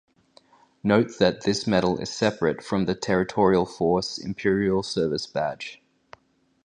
Note that this medal is separate from the Territorial Force Imperial Service Badge.